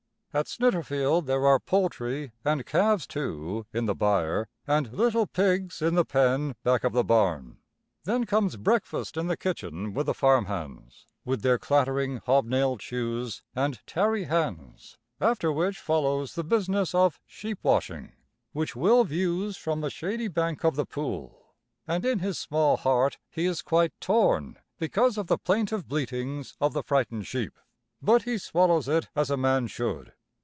At Snitterfield there are poultry, and calves, too, in the byre, and little pigs in the pen back of the barn. Then comes breakfast in the kitchen with the farm hands with their clattering hobnailed shoes and tarry hands, after which follows the business of sheep washing, which Will views from the shady bank of the pool, and in his small heart he is quite torn because of the plaintive bleatings of the frightened sheep. But he swallows it as a man should.